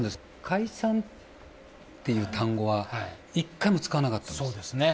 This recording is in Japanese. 解散っていう単語は、一回も使わそうですね。